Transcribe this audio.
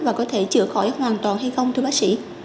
và có thể chữa khỏi hoàn toàn hay không thưa bác sĩ